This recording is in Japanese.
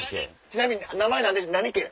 ちなみに名前何家？